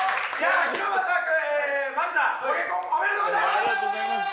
ありがとうございます。